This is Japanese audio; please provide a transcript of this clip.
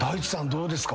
どうですか？